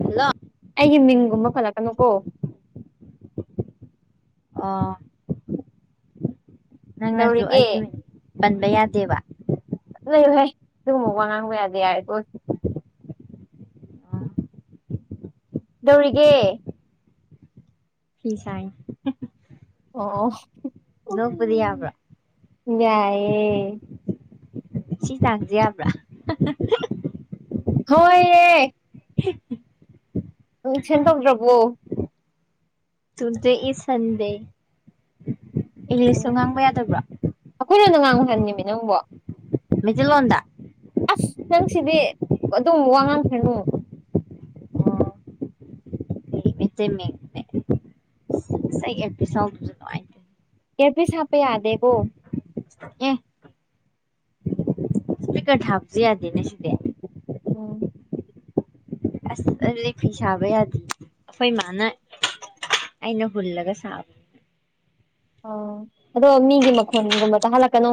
Hello ꯑꯩꯒꯤ ꯃꯤꯡꯒꯨꯝꯕ ꯄꯥꯜꯂꯛꯀꯅꯨꯀꯣ ꯑꯥ ꯅꯪꯅꯁꯨ ꯀꯩꯗꯧꯔꯤꯒꯦ ꯑꯩꯒꯤ ꯃꯤꯡ ꯄꯟꯕ ꯌꯥꯗꯦꯕ [unintelligible] ꯂꯩꯌꯨꯍꯦ ꯑꯗꯨꯒꯨꯝꯕ ꯋꯥ ꯉꯥꯡꯕ ꯌꯥꯗꯦ ꯌꯥꯔꯦꯀꯣ ꯑꯣ ꯀꯩꯗꯧꯔꯤꯒꯦ ꯐꯤ ꯁꯥꯏ ꯑꯣ ꯅꯣꯛꯄꯗꯤ ꯌꯥꯕ꯭ꯔꯥ ꯌꯥꯏꯌꯦ ꯁꯤ ꯇꯥꯡꯖꯦ ꯌꯥꯕ꯭ꯔꯥ ꯍꯣꯏ ꯌꯦ ꯃꯤꯛꯁꯟ ꯇꯧꯗ꯭ꯔꯕꯣ ꯇꯨꯗꯦ ꯏꯁ ꯁꯟꯗꯦ ꯏꯪꯂꯤꯁꯇ ꯉꯥꯡꯕ ꯌꯥꯗꯕ꯭ꯔꯣ ꯑꯩꯈꯣꯏ ꯂꯣꯟꯗ ꯉꯥꯡꯉꯣ ꯍꯥꯏꯕꯅꯤꯃꯤ ꯅꯪꯕꯣ ꯃꯩꯇꯩ ꯂꯣꯟꯗꯥ ꯑꯁ ꯅꯪꯁꯤꯗꯤ ꯑꯗꯨꯝ ꯋꯥ ꯉꯥꯡꯈ꯭ꯔꯅꯨ ꯃꯩꯇꯩꯃꯌꯦꯛꯅꯦ ꯑꯁ ꯑꯩ ꯑꯩꯌꯦꯔꯄꯤꯁ ꯌꯧꯗꯥ [unintelligible] ꯅꯨꯡꯉꯥꯏ ꯑꯦꯌꯔꯄꯤꯁ ꯍꯞꯄꯥ ꯌꯥꯗꯦꯀꯣ ꯑꯦ ꯏꯁꯄꯤꯀꯔ ꯊꯕꯥꯖꯨ ꯌꯥꯗꯦꯅꯦ ꯁꯤꯗꯦ ꯎꯝ ꯑꯁ ꯑꯗꯨꯗꯤ ꯐꯤ ꯁꯥꯕ ꯌꯥꯗꯦ ꯑꯩꯈꯣꯏ ꯏꯃꯥꯅ ꯑꯩꯅ ꯍꯨꯜꯂꯒ ꯁꯥꯕ ꯑꯣ ꯑꯗꯣ ꯃꯤꯒꯤ ꯃꯈꯣꯟꯒꯨꯝꯕ ꯇꯥꯍꯜꯂꯛꯀꯅꯣ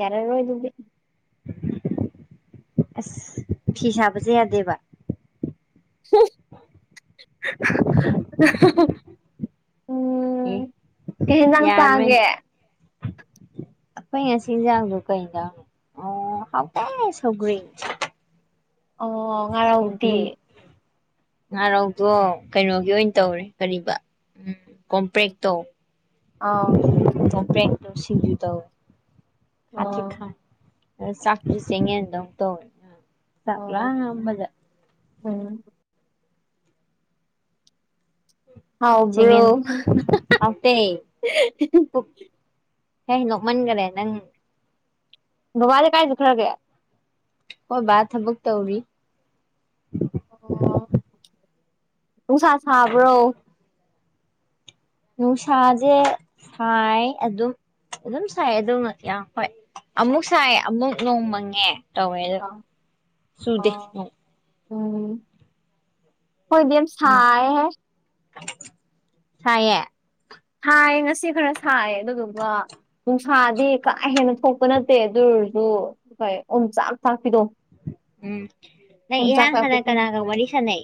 ꯌꯥꯔꯔꯣꯏ ꯑꯗꯨꯗꯤ ꯑꯁ ꯐꯤ ꯁꯥꯕꯖꯦ ꯌꯥꯗꯦꯕ [unintelligible] [unintelligible] ꯀꯩ ꯍꯦꯟꯖꯥꯡ ꯌꯥ [unintelligible] ꯅꯦ ꯆꯥꯒꯦ ꯑꯩꯈꯣꯏ ꯉꯁꯤ ꯏꯟꯖꯥꯡꯗꯣ ꯀꯩꯅꯣ ꯑꯣ ꯍꯥꯎꯇꯦ ꯁꯧꯒ꯭ꯔꯤ ꯑꯣ ꯉꯥꯔꯧꯗꯤ ꯁꯧꯒ꯭ꯔꯤ ꯉꯥꯔꯧꯗꯣ ꯀꯩꯅꯣꯒꯤ ꯑꯣꯏꯟ ꯇꯧꯔꯦ ꯀꯔꯤꯕ ꯀꯣꯝꯄ꯭ꯔꯦꯛꯇꯣ ꯑꯥꯎ ꯀꯣꯝꯄ꯭ꯔꯦꯛꯇꯣ ꯁꯤꯡꯖꯨ ꯇꯧꯋꯦ ꯈꯥꯇ꯭ꯔꯤꯛ ꯑꯥ ꯈꯥꯏ ꯆꯥꯛ ꯆꯦꯡꯌꯦꯟꯗꯧ ꯇꯧꯏ ꯆꯥꯛ ꯑꯥ ꯂꯥꯝꯕꯗꯥ ꯎꯝ ꯆꯦꯡꯌꯦꯟ ꯍꯥꯎꯕ꯭ꯔꯣ ꯍꯥꯎꯇꯦ ꯄꯨꯛ ꯑꯩ ꯅꯣꯛꯃꯟꯒ꯭ꯔꯦ ꯅꯪ ꯕꯕꯥꯗꯤ ꯀꯥꯏ ꯆꯠꯈ꯭ꯔꯒꯦ ꯈꯣꯏ ꯕꯥ ꯊꯕꯛ ꯇꯧꯔꯤ ꯑꯣ ꯅꯨꯡꯁꯥ ꯁꯥꯕ꯭ꯔꯣ ꯅꯨꯡꯁꯥꯖꯦ ꯁꯥꯏ ꯑꯗꯨꯝ ꯑꯗꯨꯝ ꯁꯥꯏ ꯑꯗꯨꯝ ꯌꯥꯝ ꯍꯣꯏ ꯑꯃꯨꯛ ꯁꯥꯏ ꯑꯃꯨꯛ ꯅꯣꯡ ꯃꯪꯉꯦ ꯇꯧꯋꯦ ꯑꯗꯣ [unintelligible] ꯆꯨꯗꯦ ꯑꯣ ꯅꯣꯡ ꯎꯝ ꯈꯣꯏꯗꯤ ꯌꯥꯝ ꯎꯝ ꯁꯥꯏ ꯍꯦ ꯁꯥꯏꯌꯦ ꯁꯥꯏ ꯉꯁꯤ ꯈꯔ ꯁꯥꯏ ꯑꯗꯨꯗꯨꯒ ꯅꯨꯡ ꯁꯥꯗꯤ ꯀꯥ ꯍꯦꯟꯅ ꯊꯣꯛꯄ ꯅꯠꯇꯦ ꯑꯗꯨ ꯑꯣꯏꯔꯖꯨ ꯍꯣꯏ ꯎꯣꯝꯆꯥꯛ ꯆꯥꯛꯄꯤꯗꯣ ꯎꯝ ꯅꯪ ꯑꯣꯝꯆꯥꯛ ꯏꯍꯥꯟ ꯆꯥꯛꯄꯤ ꯍꯥꯟꯅ ꯈꯪ ꯀꯅꯥꯒ ꯋꯥꯔꯤ ꯁꯥꯟꯅꯩ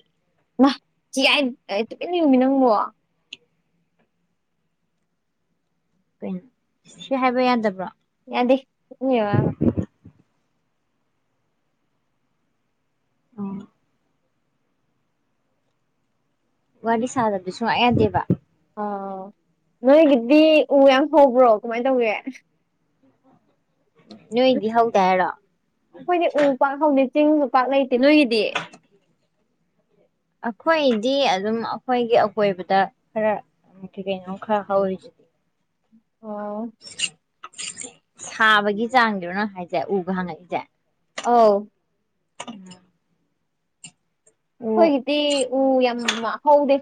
ꯃꯥ ꯆꯤꯌꯥꯏ ꯇꯨꯃꯤꯟꯅ ꯂꯩꯌꯣꯃꯤ ꯅꯪꯕꯣ ꯀꯩꯅꯣ ꯁꯤ ꯍꯥꯏꯕ ꯌꯥꯗꯕ꯭ꯔꯣ ꯌꯥꯗꯦ [unintelligible] ꯑꯣ ꯋꯥꯔꯤ ꯁꯥꯗꯕꯗꯤ ꯁꯨꯡꯌꯥ ꯌꯥꯗꯦꯕ ꯑꯣ ꯅꯣꯏꯒꯤꯗꯤ ꯎ ꯌꯥꯝ ꯍꯧꯕ꯭ꯔꯣ ꯀꯃꯥꯏ ꯇꯧꯒꯦ ꯅꯣꯏꯗꯤ ꯍꯧꯗꯦ ꯍꯥꯏꯔꯣ ꯑꯩꯈꯣꯏꯗꯤ ꯎ ꯄꯥꯛ ꯍꯧꯗꯦ ꯆꯤꯡꯁꯨ ꯄꯥꯛ ꯂꯩꯇꯦ ꯅꯣꯏꯒꯤꯗꯤ ꯑꯩꯈꯣꯏꯗꯤ ꯑꯗꯨꯝ ꯑꯩꯈꯣꯏꯒꯤ ꯑꯀꯣꯏꯕꯗ ꯈꯔ ꯀꯩ ꯀꯩꯅꯣꯝ ꯈꯔ ꯍꯧꯔꯤ ꯑꯣ ꯁꯥꯕꯒꯤ ꯆꯥꯡꯗꯨꯔꯣ ꯅꯪ ꯥꯏꯁꯦ ꯎꯕ ꯍꯪꯉꯛꯏꯁꯦ ꯑꯥꯎ [unintelligible] ꯎ ꯑꯩꯈꯣꯏꯒꯤꯗꯤ ꯎ ꯌꯥꯝ ꯍꯧꯗꯦ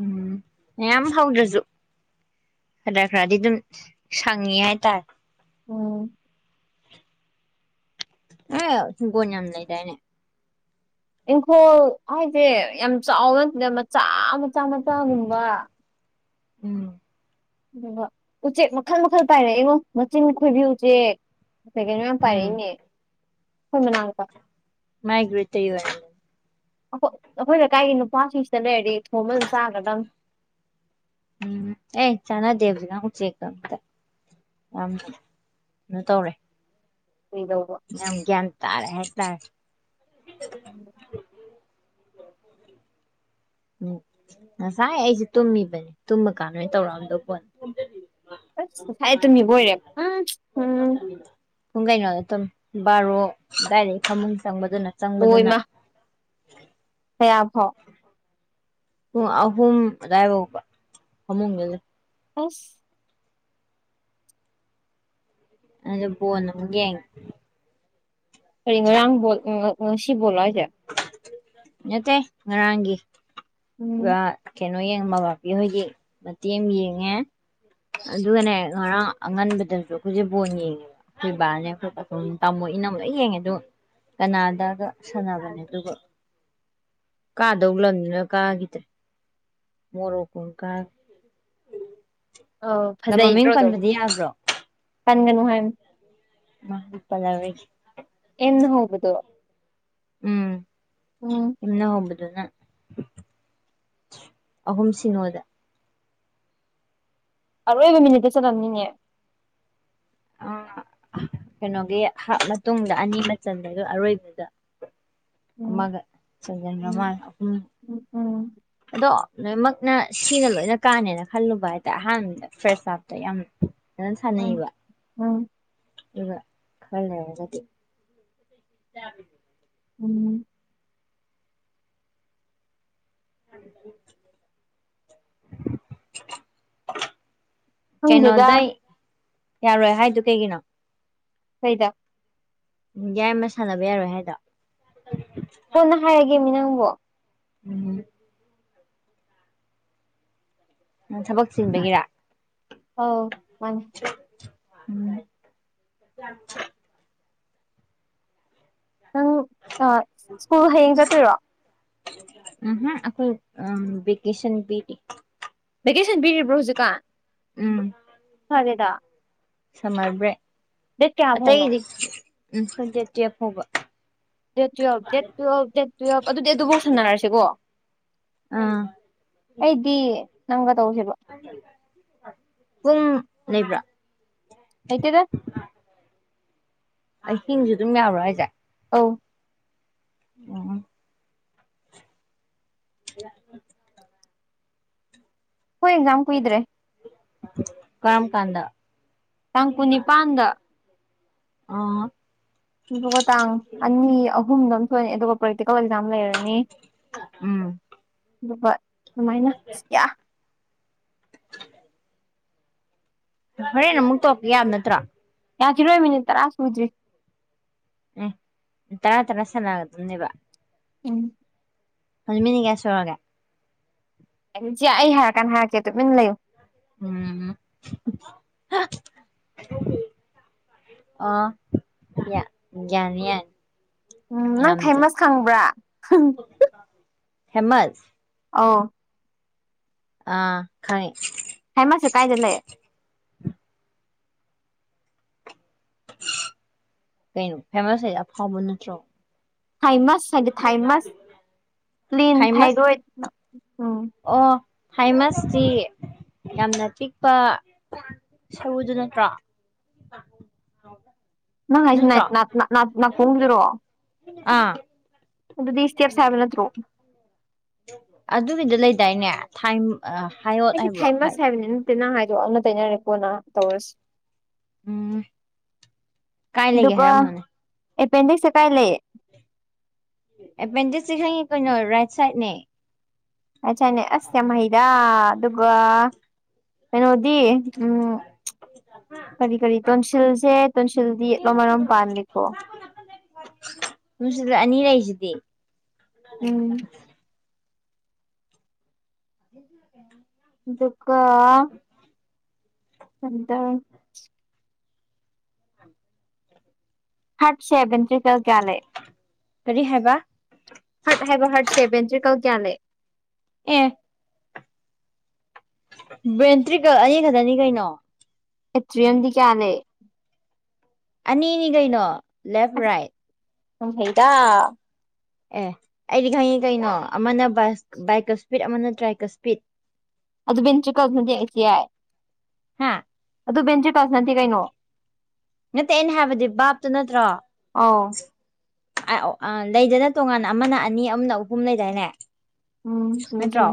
ꯎꯝ ꯃꯌꯥꯝ ꯍꯧꯗ꯭ꯔꯁꯨ ꯈꯔ ꯈꯔꯗꯤ ꯑꯗꯨꯝ ꯁꯪꯉꯤ ꯍꯥꯏꯇꯥꯔꯦ ꯑꯣ ꯍꯤꯡꯒꯣꯟ ꯌꯥꯝ ꯂꯩꯗꯥꯏꯅꯦ ꯏꯪꯈꯣꯜ ꯍꯥꯏꯁꯦ ꯌꯥꯝ ꯆꯥꯎꯕ ꯅꯠꯇꯦꯗ ꯃꯆꯥ ꯃꯆꯥ ꯃꯆꯥꯒꯨꯝꯕ ꯎꯝ ꯑꯣ ꯎꯆꯦꯛ ꯃꯈꯜ ꯃꯈꯜ ꯄꯥꯏꯔꯛꯏꯉꯣ ꯃꯆꯤꯟ ꯈꯣꯏꯕꯤ ꯎꯆꯦꯛ ꯀꯩꯀꯩꯅꯣ ꯃꯌꯥꯝ ꯎꯝ ꯄꯥꯏꯔꯛꯏꯅꯦ ꯑꯩꯈꯣꯏ ꯃꯅꯥꯛꯇ ꯃꯥꯏꯒꯤ [unintelligible] ꯑꯩꯈꯣꯏ ꯑꯩꯈꯣꯏ ꯂꯩꯀꯥꯏꯒꯤ ꯅꯨꯄꯥꯁꯤꯡꯁꯤꯗ ꯂꯩꯔꯗꯤ ꯊꯣꯡꯕ ꯑꯗꯨꯝ ꯆꯥꯒꯗꯝ ꯎꯝ ꯆꯥꯅꯗꯦ [unintelligible] ꯎꯆꯦꯛ ꯌꯥꯝ ꯀꯩꯅꯣ ꯇꯧꯔꯦ [unintelligible] ꯌꯥꯝ ꯒ꯭ꯌꯥꯟ ꯇꯥꯔꯦ ꯍꯥꯏꯇꯥꯔꯦ [inaudible] ꯎꯝ ꯉꯁꯥꯏ ꯑꯩꯁꯦ ꯇꯨꯝꯃꯤꯕꯅꯦ ꯇꯨꯝꯃ ꯀꯥꯟꯗꯣꯏ ꯇꯧꯔꯛꯑꯝꯗꯧ ꯄꯣꯠꯅꯦ ꯑꯁ ꯉꯁꯥꯏꯗꯩ ꯇꯨꯝꯃꯤꯕꯣꯏꯔꯦ ꯎꯝ ꯎꯝ ꯄꯨꯡ ꯀꯩꯅꯣꯗ ꯇꯨꯝꯃꯦ ꯕꯥꯔꯣ ꯑꯗꯥꯏꯗꯩ ꯐꯃꯨꯡ ꯆꯪꯕꯗꯨꯅ ꯆꯪꯕꯗꯨꯅ ꯑꯣꯏꯃꯥ ꯀꯌꯥ ꯐꯥꯎ ꯄꯨꯝ ꯑꯍꯨꯝ ꯑꯗꯥꯏꯐꯥꯎꯕ ꯐꯃꯨꯡꯗ ꯂꯩ ꯑꯁ ꯕꯣꯟ ꯑꯃꯨꯛ ꯌꯦꯡꯉꯦ ꯀꯔꯤ ꯉꯣꯏꯔꯥꯡ ꯕꯣꯜ ꯉꯁꯤ ꯕꯣꯜꯂꯣ ꯍꯥꯏꯁꯦ ꯅꯠꯇꯦ ꯉꯔꯥꯡꯒꯤ ꯎꯝ ꯀꯩꯅꯣ ꯌꯦꯡꯕ ꯕꯄꯦ ꯍꯣꯏꯒꯤ ꯃꯇꯦꯝ ꯑꯃ ꯌꯦꯡꯉꯦ ꯑꯗꯨꯒꯅꯦ ꯉꯔꯥꯡ ꯑꯉꯟꯕꯗꯁꯨ ꯑꯩꯈꯣꯏꯁꯦ ꯕꯣꯟ ꯌꯦꯡꯉꯦꯕ ꯑꯩꯈꯣꯏ ꯕꯥꯅꯦ ꯑꯩꯈꯣꯏ ꯇꯥꯝꯃꯣ ꯏꯅꯝꯃ ꯂꯣꯏ ꯌꯦꯡꯉꯦ ꯗꯣ ꯀꯅꯥꯗꯒ ꯁꯥꯟꯅꯕꯅꯦ [inaudible] ꯀꯗꯧ ꯂꯝꯗꯨꯅ ꯀꯒꯤꯗ꯭ꯔꯦ ꯃꯣꯔꯣ ꯀꯣ ꯅ ꯀꯒ꯭ꯔꯦ ꯑꯧ ꯂꯝ ꯃꯃꯤꯡ ꯐꯖꯩꯗ꯭ꯔꯣ ꯑꯗꯨꯝ ꯄꯟꯕꯗꯤ ꯌꯥꯕ꯭ꯔꯣ ꯀꯟꯒꯅꯨ ꯍꯥꯏ [unintelligible] ꯌꯦꯅꯅ ꯍꯧꯕꯗꯣ ꯎꯝ ꯎꯝ ꯎꯝꯅ ꯍꯣꯡꯕꯗꯨꯅ ꯑꯍꯨꯝ ꯁꯤꯅꯣꯗ ꯑꯔꯣꯏꯕ ꯃꯤꯅꯤꯠꯇ ꯆꯜꯂꯝꯅꯤꯅꯦ ꯑ ꯀꯩꯅꯣꯒꯤ ꯍꯥꯞ ꯃꯇꯨꯡꯗ ꯑꯅꯤꯃ ꯆꯟꯕꯒ ꯑꯔꯣꯏꯕꯗ ꯎꯝ ꯑꯃꯒ ꯆꯟꯖꯟꯒꯔꯃꯅꯦ ꯑꯍꯨꯝ ꯎ ꯎꯝ ꯑꯗꯣ ꯂꯣꯏꯅꯃꯛꯅ ꯁꯤꯅ ꯂꯣꯏꯅ ꯀꯥꯟꯅꯦꯅ ꯈꯜꯂꯨꯕ ꯍꯥꯏꯇꯔꯦ ꯑꯍꯥꯟꯕꯗ ꯐ꯭ꯔꯥꯁ ꯍꯞꯇ ꯌꯥꯝ ꯐꯖꯅ ꯁꯅꯩꯕ ꯍꯥꯎ ꯑꯗꯨꯒ ꯈꯔ ꯂꯩꯔ꯭ꯒꯗꯤ [unintelligible] ꯎꯝ [inaudible] ꯈꯪꯗꯦꯗ ꯀꯩꯅꯣꯗꯩ ꯌꯔꯣꯏ ꯍꯥꯏꯗꯨ ꯀꯩꯒꯤꯅꯣ ꯀꯩꯗ ꯎꯝ ꯌꯥꯏꯃ ꯁꯥꯟꯅꯕ ꯌꯔꯣꯏ ꯍꯥꯏꯗꯣ ꯀꯣꯟꯅ ꯍꯥꯏꯔꯒꯦ ꯃꯤ ꯅꯪꯕꯣ ꯥꯎꯝ ꯅꯪ ꯊꯕꯛ ꯆꯤꯟꯕꯒꯤꯔ ꯑꯧ ꯃꯅ‌ꯦ ꯎꯝ [unintelligible] ꯅꯪ ꯑ ꯁ꯭ꯀꯨꯜ ꯍꯩꯌꯦꯡ ꯆꯠꯇꯣꯏꯔꯣ ꯎ ꯍꯨꯝ ꯑꯩꯈꯣꯏ ꯎꯝ ꯚꯦꯀꯦꯁꯟ ꯄꯤꯔꯤ ꯚꯦꯀꯦꯁꯟ ꯄꯤꯔꯤꯕ꯭ꯔꯣ ꯍꯧꯖꯤꯛꯀꯥꯟ ꯎꯝ ꯐꯔꯦꯗ ꯁꯃꯔ ꯕ꯭ꯔꯦꯛ ꯗꯦꯠ ꯀꯌꯥ ꯐꯥꯎꯅꯣ ꯑꯇꯩꯗꯤ ꯎꯝ ꯗꯦꯠ ꯇꯨꯌꯦꯞ ꯐꯥꯎꯕ date twelve date twelve date twelve ꯑꯗꯨꯗꯤ ꯑꯗꯨꯕꯧ ꯁꯥꯟꯅꯔꯁꯤꯀꯣ ꯑꯥ ꯑꯩꯗꯤ ꯅꯪꯒ ꯇꯧꯁꯦꯕ ꯄꯨꯡ ꯂꯩꯩꯕ꯭ꯔꯥ ꯂꯩꯇꯦꯗ ꯑꯥꯏꯇꯤꯟ ꯖꯨ ꯑꯗꯨꯝ ꯌꯥꯕ꯭ꯔ ꯍꯥꯏꯖꯦ ꯑꯧ ꯎꯝ [inaudible] ꯑꯈꯣꯢ ꯑꯦꯛꯖꯥꯝ ꯀꯨꯏꯗ꯭ꯔꯦ ꯀꯔꯝ ꯀꯥꯟꯗ ꯇꯥꯡ ꯀꯨꯟꯅꯤꯄꯥꯟꯗ ꯑꯥ ꯑꯗꯨꯒ ꯇꯥꯡ ꯑꯅꯤ ꯑꯍꯨꯝꯗ ꯑꯃ ꯊꯣꯛꯑ‌ꯦ ꯑꯗꯨꯒ ꯄ꯭ꯔꯦꯛꯇꯤꯀꯦꯜ ꯑꯦꯛꯖꯥꯝ ꯂꯩꯔꯅꯤ ꯎꯝ ꯑꯗꯨꯒ ꯑꯗꯨꯃꯥꯏꯅ ꯑꯁ ꯌꯥ ꯍꯣꯔꯦꯟ ꯑꯃꯨꯛ ꯇꯧꯔꯛ ꯀ‌ꯦ ꯌꯥꯕ ꯅꯠꯇ꯭ꯔꯥ ꯌꯥꯈꯤꯔꯣꯏ ꯃꯤꯅꯤꯠ ꯇꯔꯥ ꯁꯨꯗ꯭ꯔꯤ ꯑ‌ꯦ ꯇꯔꯥ ꯇꯔꯥ ꯁꯥꯟꯅꯒꯗꯝ ꯅꯦꯕ ꯎꯝ ꯍ‌ꯣꯏ ꯃꯤꯅꯤꯠ ꯀꯌꯥ ꯁꯨꯔꯒ‌ꯦ ꯑꯩꯆꯦ ꯑꯩ ꯍꯥꯏꯔ ꯀꯥꯟ ꯍꯥꯏꯔꯛꯀꯦ ꯇꯨꯃꯤꯟ ꯂꯩꯌꯨ ꯎꯝ ꯑ‌ꯣ ꯌꯥ ꯌꯥꯔ‌ꯦ ꯌꯥꯔ‌ꯦ ꯎꯝ ꯅꯪ ꯊꯥꯏꯃꯁ ꯈꯪꯕ꯭ꯔꯥ ꯍꯦꯃꯁ ꯑꯥꯎ ꯑ ꯈꯪꯉ‌ꯦ ꯍꯦꯃꯁꯁꯦ ꯀꯥꯏꯗ ꯂꯩ ꯀꯩꯅꯣ ꯐꯦꯃꯁ ꯍꯥꯏ ꯗꯤ ꯑꯐꯥꯎꯕ ꯅꯠꯇ꯭ꯔꯣ ꯊꯥꯏꯃꯁ ꯍꯥꯏꯗꯤ ꯊꯥꯏꯃꯁ ꯄ꯭ꯂꯦꯟ ꯊꯥꯏꯃꯁ ꯊꯥꯏꯔꯣꯏꯗ ꯎꯝ ꯑꯣ ꯊꯥꯏꯃꯁꯇꯤ ꯌꯥꯝꯅ ꯄꯤꯛꯄ ꯁꯔꯨꯗꯨ ꯅꯠꯇ꯭ꯔꯣ ꯅꯪ ꯍꯥꯏꯁꯤ ꯅꯠꯇ꯭ꯔꯣ ꯅꯥꯀꯣꯡꯗꯨꯔꯣ ꯑꯥ ꯑꯣ ꯗꯤꯁ ꯇꯤꯌꯥꯐ ꯁꯕꯦꯟ ꯑꯗꯨ ꯑꯗꯨꯒꯤꯗ ꯂꯩꯗꯥꯏꯅꯦ ꯍꯥꯏꯌꯣꯠ ꯍꯥꯏꯕ꯭ꯔꯣ ꯇꯅ ꯍꯥꯏꯗꯣ ꯑꯃꯅ ꯇꯩꯅꯔꯦꯀꯣꯅ ꯇꯧꯔꯁꯤ ꯎꯝ ꯀꯥꯏ ꯂꯩꯒꯦ ꯑꯗꯨꯒꯀ ꯍꯥꯏꯔꯝꯃꯣꯅꯦ ꯑꯦꯄꯦꯟꯗꯤꯛꯁꯀꯥꯏ ꯂꯩ ꯑꯦꯄꯦꯟꯗꯤꯛꯁꯦ ꯈꯪꯉꯤ ꯀꯩꯅꯣ ꯔꯥꯏꯠ ꯁꯥꯏꯠꯅꯦ ꯍꯥꯏ ꯁꯅꯦ ꯑꯁ ꯌꯥꯝꯌꯥꯝꯃꯩꯗ ꯑꯗꯨꯒ ꯀꯩꯅꯣꯗꯤ ꯎꯝ ꯀꯔꯤ ꯀꯔꯤ ꯇꯣꯟꯁꯤꯜꯁꯦ ꯇꯣꯟꯁꯤꯜꯗꯤꯠꯂꯣ ꯃꯔꯣꯝ ꯄꯥꯂ ꯀꯣ ꯅꯨꯡꯁꯤꯗ ꯑꯅꯤ ꯂꯩꯁꯤꯗꯤ ꯎꯝ [inaudible] ꯑꯗꯨꯒꯗꯨꯀ ꯑꯗ ꯍꯥꯠꯁꯦꯕꯟꯦ ꯀꯔꯤ ꯍꯥꯏꯕ ꯍꯔꯠ ꯍꯥꯏꯕ ꯍꯔꯠꯁꯦ ꯕꯦꯟꯇ꯭ꯔꯤꯀꯜ ꯀꯌꯥ ꯂꯩ ꯑꯦ ꯕꯦꯟꯇ꯭ꯔꯤꯛꯀꯛ ꯑꯅꯤ ꯈꯛꯇꯅꯤ ꯀꯩꯅꯣ ꯑꯦꯇ꯭ꯔꯤꯑꯝꯗꯤ ꯀꯌꯥꯂꯦ ꯑꯅꯤ ꯑꯅꯤ ꯀꯩꯅꯣ ꯂꯦꯐ ꯑꯁ ꯔꯥꯏꯠ ꯌꯥꯝ ꯍꯩꯗ ꯑꯦ ꯑꯩꯗꯤ ꯈꯪꯉꯤ ꯀꯩꯅꯣ ꯑꯃꯅ ꯕꯥꯏ ꯕꯥꯏꯛꯀ ꯏꯁꯄꯤꯠ ꯑꯃꯅ ꯇ꯭ꯔꯥꯏꯀ ꯏꯁꯄꯤꯠ ꯑꯗꯨ ꯕꯦꯟꯇ꯭ꯔꯤꯀꯜꯁꯅꯗꯤ ꯑꯩꯁꯦ ꯌꯥꯏ ꯍꯥ ꯑꯗꯨ ꯚꯦꯟꯇ꯭ꯔꯤꯀꯜꯁ ꯅꯗꯤ ꯀꯩꯅꯣ ꯅꯠꯇꯦ ꯑꯩꯅ ꯍꯥꯏꯕꯗꯤ ꯕꯥꯞꯇꯨ ꯅꯠꯇ꯭ꯔꯣ ꯑꯧ ꯂꯩꯗꯅ ꯇꯣꯉꯥꯟ ꯑꯃꯅ ꯑꯅꯤ ꯑꯃꯅ ꯑꯍꯨꯝ ꯂꯩꯗꯥꯏꯅꯦ ꯎꯝ ꯆꯃꯦꯃꯦ ꯅꯠꯇ꯭ꯔꯣ ꯆꯃꯦ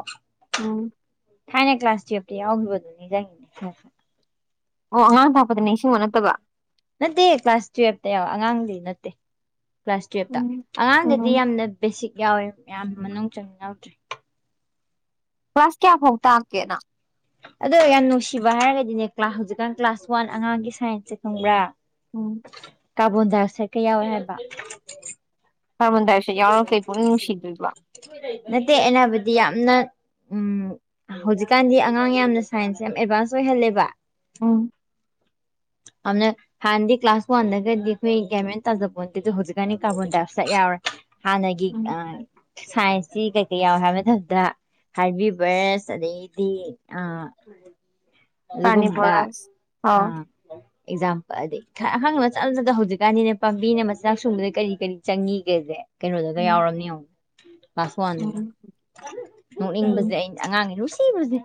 ꯎꯝ ꯊꯥꯏꯅ ꯀ꯭ꯂꯥꯁꯁꯤꯎꯈꯤꯕꯕꯗꯨꯖꯪ ꯑꯣ ꯑꯉꯥꯡ ꯊꯥꯛꯄꯗ ꯅꯤꯡꯁꯤꯡꯕ ꯅꯠꯇꯕ ꯅꯠꯇꯦ ꯀ꯭ꯂꯥꯁ ꯇꯨꯌꯦꯜꯞꯇ ꯌꯥꯎꯕ ꯑꯉꯥꯡꯗꯤ ꯅꯠꯇꯦ ꯀ꯭ꯂꯥꯁ ꯇꯨꯌꯦꯜꯞꯇ ꯎꯝ ꯎꯝ ꯑꯉꯥꯡꯗꯗꯤ ꯌꯥꯝꯅ ꯕꯦꯁꯤꯛ ꯌꯥꯎꯋꯦ ꯃꯌꯥꯝ ꯃꯅꯨꯡ ꯆꯪ ꯌꯥꯎꯗ꯭ꯔꯦ ꯀ꯭ꯂꯁ ꯀꯌꯥꯐꯥꯎ ꯇꯥꯛꯀꯦꯅ ꯑꯗꯣ ꯌꯥꯝ ꯅꯨꯡꯁꯤꯕ ꯍꯥꯏꯔꯒꯗꯤꯅꯦ ꯀ꯭ꯂꯥꯁ ꯍꯧꯖꯤꯛꯀꯥꯟ ꯀ꯭ꯂꯥꯁ ꯋꯥꯟ ꯑꯉꯥꯡꯒꯤ ꯁꯥꯏꯟꯁꯁꯦ ꯈꯪꯕ꯭ꯔꯥ ꯎꯝ ꯀꯥꯕꯣꯟꯗꯥꯔꯁꯦ ꯀꯩꯌꯥꯎꯋꯦ ꯍꯥꯏꯕ ꯍꯔꯃꯟꯗꯔꯁ ꯌꯥꯎꯔ ꯐꯦ ꯄꯨ ꯅꯨꯡꯁꯤꯗꯣꯏꯕ ꯅꯠꯇꯦ ꯑꯅꯥꯕꯨꯗꯤ ꯌꯥꯝꯅ ꯎꯝ ꯍꯧꯖꯤꯛꯀꯥꯟꯗꯤ ꯑꯉꯥꯡ ꯌꯥꯝꯅ ꯁꯥꯏꯟꯁ ꯌꯥꯝ ꯑꯦꯗꯚꯥꯟꯁ ꯑꯣꯏꯍꯜꯂꯦꯕ ꯑꯝ ꯑꯅ ꯍꯥꯟꯅꯗꯤ ꯀ꯭ꯂꯥꯁ ꯋꯥꯟꯗꯒꯗꯤ ꯑꯩꯈꯣꯏ ꯒꯃꯦꯟ ꯇꯥꯖꯕꯗ ꯍꯧꯖꯤꯛꯀꯥꯟꯅꯤ ꯀꯥꯔꯕꯣꯟ ꯇꯥꯏꯞꯇꯛ ꯌꯥꯎꯔꯦ ꯍꯥꯟꯅꯒꯤ ꯎꯝ ꯁꯥꯏꯟꯁꯁꯤ ꯀꯩꯀꯩ ꯌꯥꯎꯋꯦ ꯍꯥꯏꯕ ꯃꯇꯝꯗ ꯍꯥꯏꯕꯤꯕꯁ ꯑꯗꯩꯗꯤ ꯑꯥ ꯑꯗꯨ ꯀꯝꯕ ꯀꯥꯔꯅꯤꯕꯣꯔꯁ ꯑ ꯑꯥꯎ ꯑꯦꯛꯖꯥꯝꯄꯜ ꯑꯗꯩ ꯈ ꯑꯉꯥꯡ ꯃ ꯆꯠ ꯑꯃꯗ ꯍꯧꯖꯤꯛꯀꯥꯟꯗꯤꯅꯦ ꯄꯥꯝꯕꯤꯅ ꯃꯆꯥꯛ ꯁꯨꯡꯕꯗ ꯀꯔꯤ ꯀꯔꯤ ꯆꯪꯏ ꯦꯁꯦ ꯀꯩꯅꯣꯗꯨꯒ ꯎꯝ ꯌꯥꯎꯔꯝꯅꯦ ꯀ꯭ꯂꯥꯁ ꯋꯥꯟꯗꯨꯒ ꯎꯝ ꯎꯝ ꯅꯣꯛꯅꯤꯡꯕꯁꯦ ꯑ ꯑꯉꯥꯡꯅꯤꯅꯨꯡ ꯁꯤꯔꯨꯁꯦ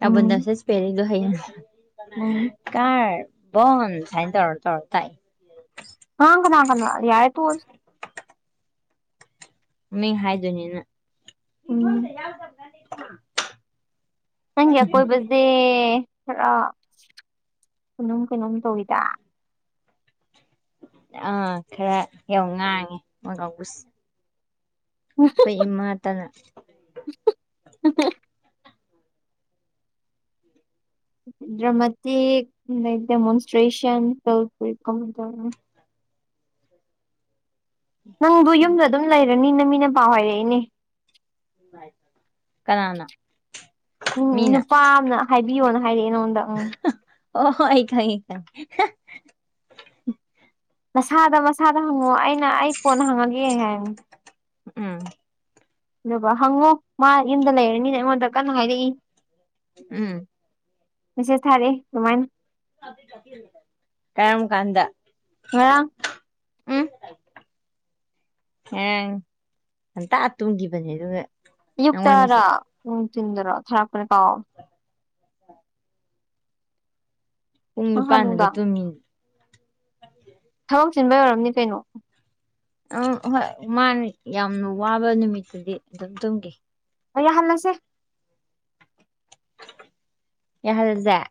ꯅꯥꯕꯟꯗ ꯎꯝ ꯁꯁꯄꯦꯔꯏꯗꯣ ꯍꯩꯌꯦ ꯎꯝ ꯀꯥꯔ ꯟ ꯁꯥꯏꯅ ꯇꯔꯣ ꯇꯔꯣ ꯇꯥꯏ ꯍꯪ ꯀꯅꯥ ꯀꯅꯥ ꯌꯥꯏ ꯇꯣ ꯃꯤꯡ ꯍꯥꯏꯗꯣꯏꯅꯤꯅ ꯎꯝ ꯅꯪꯒꯤ ꯑꯀꯣꯏꯕꯁꯦ ꯈꯔ ꯀꯅꯨꯡꯣꯝ ꯀꯩꯅꯣꯝ ꯇꯧꯋꯤꯗ ꯑꯥ ꯈꯔ ꯌ ꯉꯥꯡꯉꯦ ꯃꯁ ꯏꯃꯥ ꯇꯅ ꯭ꯔ ꯃ ꯗꯦꯃꯣꯣꯟꯁꯇ꯭ꯔꯦꯁꯟ ꯇꯧ ꯅꯪꯕꯨ ꯌꯨꯝꯗ ꯑꯗꯨꯝ ꯂꯩꯔꯅꯤꯅ ꯃꯤꯅ ꯄꯥꯎ ꯍꯥꯏꯔꯛꯏꯅꯦ꯫ ꯀꯅꯥꯅꯣ ꯎꯝ ꯃꯤꯅ ꯅꯨꯄꯥ ꯑꯃꯅ ꯍꯥꯏꯕꯤꯌꯣꯅ ꯍꯥꯏꯔꯛꯑꯦ ꯑꯩꯉꯣꯟꯗ ꯑꯣ ꯍꯣ ꯑꯩꯈꯥꯏꯥꯏ ꯅꯁꯥꯗ ꯃꯁꯥꯗ ꯍꯪꯉꯑꯣ ꯑꯩꯅ ꯑꯩ ꯀꯣꯟꯅ ꯍꯪꯉꯒꯦ ꯍꯥꯏ ꯎꯝ ꯑꯗꯨꯒ ꯍꯪꯉꯣ ꯃꯥ ꯌꯨꯝꯗ ꯂꯩꯔꯅꯤꯅ ꯑꯩꯉꯣꯟꯗ ꯀꯟꯅ ꯍꯥꯏꯔꯛꯏ꯫ ꯎꯝ ꯃꯦꯆꯦꯁ ꯊꯥꯔꯛꯑꯦ ꯑꯗꯨꯃꯥꯏꯅ ꯀꯔꯝ ꯀꯥꯟꯗ ꯉꯔꯥꯡ ꯎꯝ ꯑ ꯍꯟꯇꯥ ꯇꯨꯝꯈꯤꯕꯅꯦ ꯑꯗꯨꯒ ꯅꯪꯉꯣꯟꯗ ꯑꯌꯨꯛꯇꯔ ꯃꯦꯁꯦꯁ ꯎꯅꯨꯡ ꯇꯤꯟꯗꯔꯣ ꯊꯥꯔꯛꯄꯅꯦ ꯀꯥꯎꯑꯣ ꯄꯨꯡ ꯅꯍꯥꯟ ꯅꯤꯄꯥꯟꯗ ꯅꯨꯡꯗꯥꯡ ꯇꯨꯝꯃꯤ꯫ ꯊꯕꯛ ꯆꯤꯟꯕ ꯑꯣꯏꯔꯝꯅꯤ ꯀꯩꯅꯣ꯫ ꯑꯝ ꯍꯣꯏ ꯃꯥꯅ ꯌꯥꯝꯅ ꯋꯥꯕ ꯅꯨꯃꯤꯠꯇꯨꯗꯤ ꯑꯗꯨꯝ ꯇꯨꯝꯒꯦ꯫ ꯌꯥꯍꯜꯂꯁꯦ꯫ ꯌꯥꯍꯜꯖ